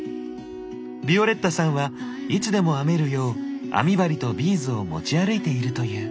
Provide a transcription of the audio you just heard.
ヴィオレッタさんはいつでも編めるよう編み針とビーズを持ち歩いているという。